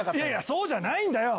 そうじゃないんだよ！